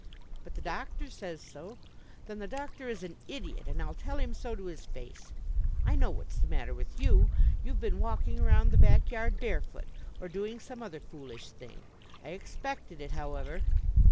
"But the doctor says so." "Then the doctor is an idiot, and I'll tell him so to his face. I know what's the matter with you. You've been walking around the backyard barefoot or doing some other foolish thing. I expected it, however.